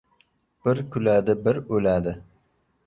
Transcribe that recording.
• Biri kuladi, biri o‘ladi.